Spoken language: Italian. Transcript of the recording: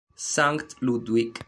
Sankt Ludwig